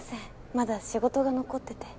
まだ仕事が残ってて。